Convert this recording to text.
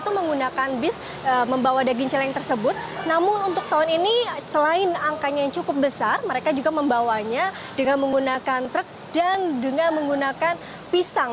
menggunakan bis membawa daging celeng tersebut namun untuk tahun ini selain angkanya yang cukup besar mereka juga membawanya dengan menggunakan truk dan dengan menggunakan pisang